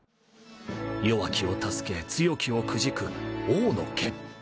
弱きを助け強きをくじく王の剣。